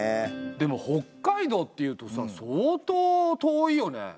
でも北海道っていうとさ相当遠いよね。